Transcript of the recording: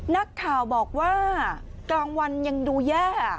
นักข่าวบอกว่ากลางวันยังดูแย่